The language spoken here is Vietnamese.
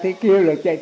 trong khi bác gặp mẹ